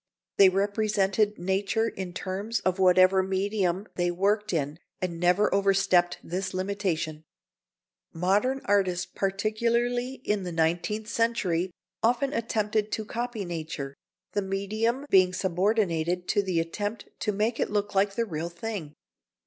#They represented nature in terms of whatever medium they worked in, and never overstepped this limitation#. Modern artists, particularly in the nineteenth century, often attempted to #copy nature#, the medium being subordinated to the attempt to make it look like the real thing.